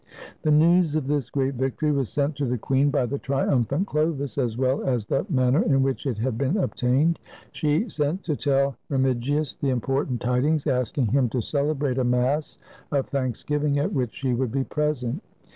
The news of this great victory was sent to the queen by the triumphant Chlovis, as well as the manner in which it had been obtained. She sent to tell Remigius the important tidings, asking him to celebrate a Mass of Thanksgiving, at which she would be present.